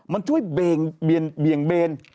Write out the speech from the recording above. มันช่วยเบี่ยงเบน